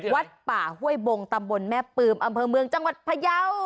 วัดป่าห้วยบงตำบลแม่ปืมอำเภอเมืองจังหวัดพยาว